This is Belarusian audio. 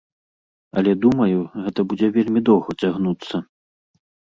Але думаю, гэта будзе вельмі доўга цягнуцца.